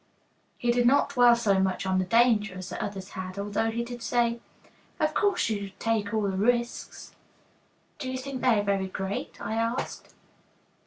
He did not dwell so much on the danger as the others had, although he did say: "Of course you take all the risks." "Do you think they are very great?" I asked.